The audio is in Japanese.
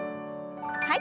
はい。